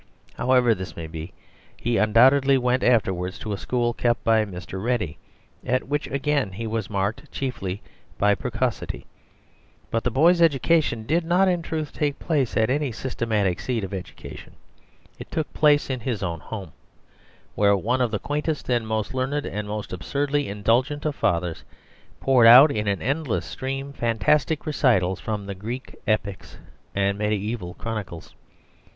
However this may be, he undoubtedly went afterwards to a school kept by Mr. Ready, at which again he was marked chiefly by precocity. But the boy's education did not in truth take place at any systematic seat of education; it took place in his own home, where one of the quaintest and most learned and most absurdly indulgent of fathers poured out in an endless stream fantastic recitals from the Greek epics and mediæval chronicles.